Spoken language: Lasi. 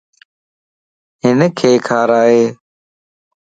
ھنک کارائي